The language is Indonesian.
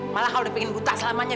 malah kalau udah pengen buta selamanya